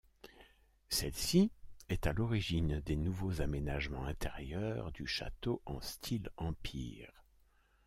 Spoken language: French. Celle-ci est à l'origine des nouveaux aménagements intérieurs du château en style Empire.